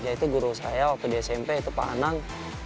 yaitu guru saya waktu di smp itu pak anang